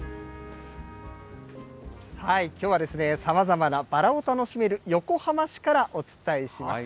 きょうはですね、さまざまなバラを楽しめる横浜市からお伝えします。